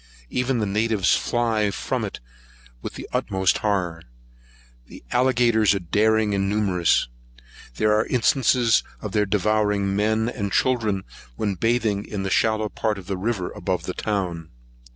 Even the natives fly from it with the utmost horror. The alligators are daring and numerous. There are instances of their devouring men and children when bathing in the shallow part of the river above the town.